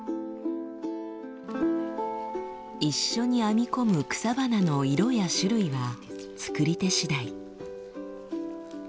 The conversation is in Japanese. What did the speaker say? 一緒に編み込む草花の色や種類は作り手しだい。